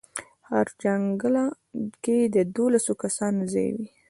هره جنګله کې د دولسو کسانو ځای و.